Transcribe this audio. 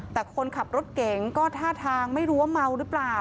แต่คนขับรถเก่งก็ท่าทางไม่รู้ว่าเมาหรือเปล่า